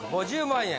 ５０万円。